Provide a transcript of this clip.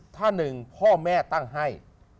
ถ้าหนึ่งพ่อแม่ตั้งให้